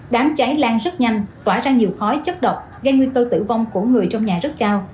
đám cháy lan rất nhanh tỏa ra nhiều khói chất độc gây nguy cơ tử vong của người trong nhà rất cao